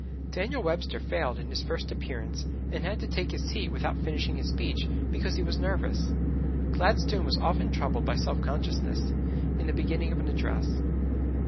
Daniel Webster failed in his first appearance and had to take his seat without finishing his speech because he was nervous. Gladstone was often troubled with self consciousness in the beginning of an address.